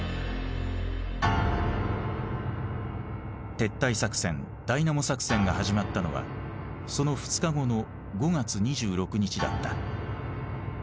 撤退作戦ダイナモ作戦が始まったのはその２日後の５月２６日だった。